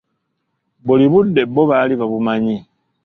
Buli budde bbo bali babumanyi.